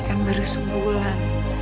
kan baru sebulan